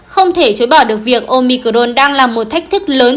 không thể chối bỏ được việc omicdon đang là một thách thức lớn